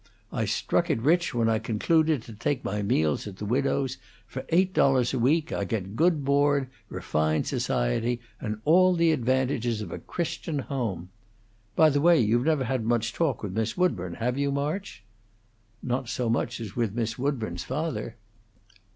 I struck it rich when I concluded to take my meals at the widow's. For eight dollars a week I get good board, refined society, and all the advantages of a Christian home. By the way, you've never had much talk with Miss Woodburn, have you, March?" "Not so much as with Miss Woodburn's father."